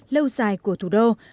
lâu dài của thủ đô